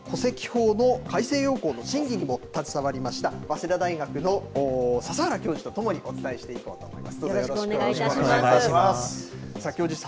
ということでここからはですね、その戸籍法の改正要綱の審議にも携わりました、早稲田大学の笹原教授と共にお伝えしていこうと思います。